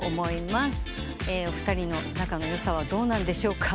お二人の仲の良さはどうなんでしょうか？